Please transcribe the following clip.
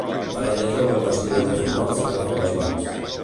Parella jove amb vestimenta formal s'agafen les mans